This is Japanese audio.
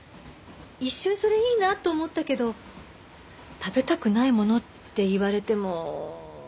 一瞬それいいなと思ったけど食べたくないものって言われても。